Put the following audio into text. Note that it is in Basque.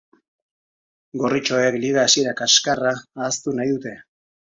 Gorritxoek liga hasiera kaskarra ahaztu nahi dute.